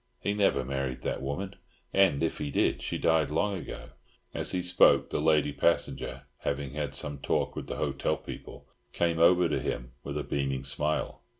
"He never married that woman; and, if he did, she died long ago." As he spoke, the lady passenger, having had some talk with the hotel people, came over to him with a beaming smile.